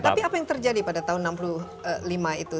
tapi apa yang terjadi pada tahun seribu sembilan ratus lima puluh lima itu